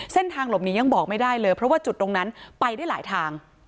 เส้นทางหลบหนียังบอกไม่ได้เลยเพราะว่าจุดตรงนั้นไปได้หลายทาง